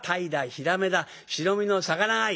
ヒラメだ白身の魚がいい。